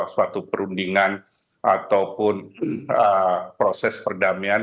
suatu perundingan ataupun proses perdamaian